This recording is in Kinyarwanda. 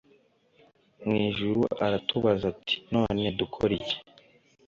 mu ijuru aratubaza ati none dukore iki